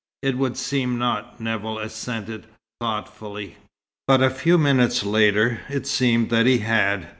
"It would seem not," Nevill assented, thoughtfully. But a few minutes later, it seemed that he had.